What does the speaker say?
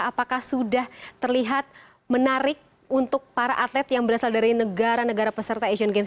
apakah sudah terlihat menarik untuk para atlet yang berasal dari negara negara peserta asian games dua ribu delapan belas